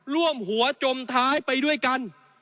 ร่วมหัวจมท้ายไปด้วยกัน